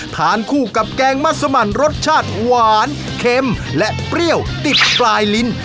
ทานคู่กับแกงมัสมันรสชาติหวานเค็มและเปรี้ยวติดปลายลิ้น